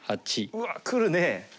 うわっくるね。